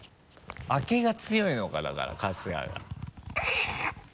開けが強いのかだから春日が。